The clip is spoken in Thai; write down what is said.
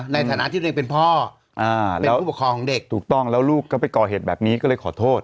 ในฐานะที่ตัวเองเป็นพ่อเป็นผู้ปกครองของเด็กถูกต้องแล้วลูกก็ไปก่อเหตุแบบนี้ก็เลยขอโทษ